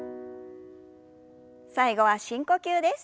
最後は深呼吸です。